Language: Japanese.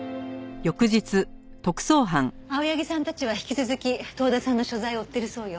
青柳さんたちは引き続き遠田さんの所在を追ってるそうよ。